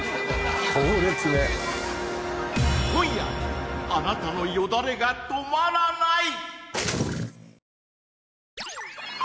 今夜あなたのヨダレが止まらない！